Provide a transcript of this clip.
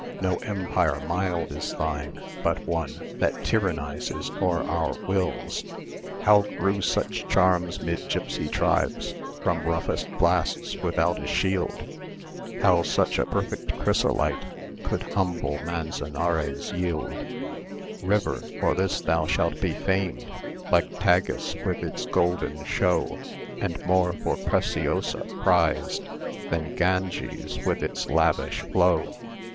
No empire mild is thine, but one That tyrannises o'er our wills. How grew such charms 'mid gipsy tribes, From roughest blasts without a shield? How such a perfect chrysolite Could humble Manzanares yield? River, for this thou shalt be famed, Like Tagus with its golden show, And more for Preciosa prized Than Ganges with its lavish flow.